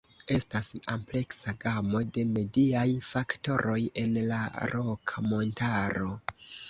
Estas ampleksa gamo de mediaj faktoroj en la Roka Montaro.